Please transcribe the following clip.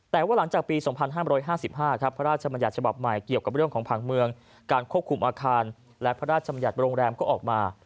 แต่ว่าหลังจากปี๒๕๕๕ครับพระราชมัญญัติฉบับใหม่เกี่ยวกับเรื่องของผังเมืองการควบคุมอาคารและพระราชบัญญัติโรงแรมก็ออกมา